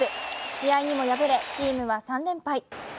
試合にも敗れチームは３連敗。